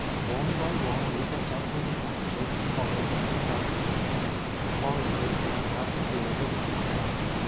One by one the other gentle men ranchers followed their example. The For resters now had fewer visitors.